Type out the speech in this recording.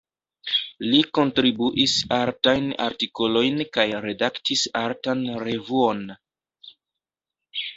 Li kontribuis artajn artikolojn kaj redaktis artan revuon.